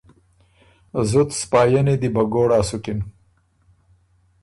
زُت سپاهينی دی بهګوړا سُکِن۔